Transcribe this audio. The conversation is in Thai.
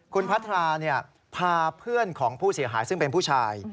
คุณพัทราพาเพื่อนของผู้เสียหายซึ่งเป็นผู้ชาย